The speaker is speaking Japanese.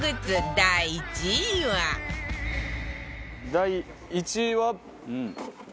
第１位は